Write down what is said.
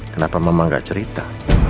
kenapa mama gak cerita